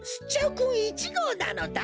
くん１ごうなのだ。